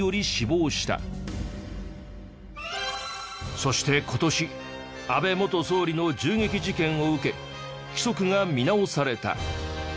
そして今年安倍元総理の銃撃事件を受け規則が見直された。